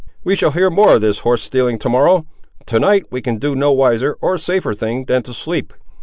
We shall hear more of this horse stealing to morrow; to night we can do no wiser or safer thing than to sleep."